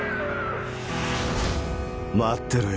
待ってろよ